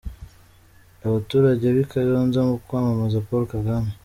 Abaturage b'i Kayonza mu kwamamaza Paul Kagame.